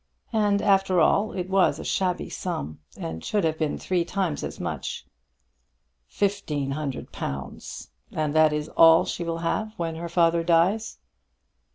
And after all it was a shabby sum, and should have been three times as much." "Fifteen hundred pounds! And that is all she will have when her father dies?"